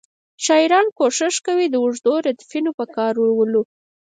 شاعران کوښښ کوي د اوږدو ردیفونو په کارولو.